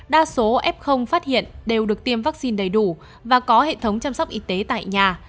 đa số f phát hiện đều được tiêm vaccine đầy đủ và có hệ thống chăm sóc y tế tại nhà